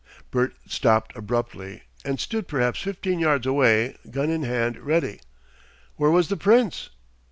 Bert stopped abruptly and stood perhaps fifteen yards away, gun in hand ready. Where was the Prince?